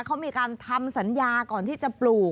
เขามีการทำสัญญาก่อนที่จะปลูก